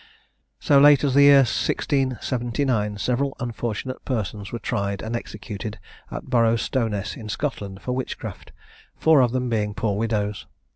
So late as the year 1679, several unfortunate persons were tried and executed at Borrostowness in Scotland, for witchcraft, four of them being poor widows.